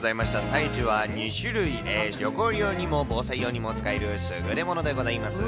サイズは２種類、旅行用にも防災用にも使える優れものでございます。